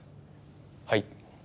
はい。